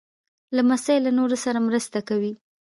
لمسی له نورو سره مرسته کوي.